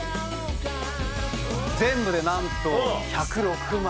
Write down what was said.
全部でなんと１０６枚。